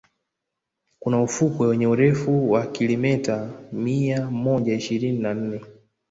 kuna ufukwe wenye urefu wa kilimeta mia moja ishirini na nne